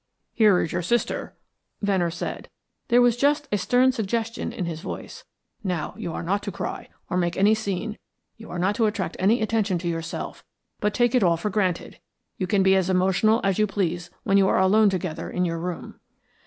"Here is your sister," Venner said. There was just a stern suggestion in his voice. "Now, you are not to cry or make any scene, you are not to attract any attention to yourself, but take it all for granted. You can be as emotional as you please when you are alone together in your room."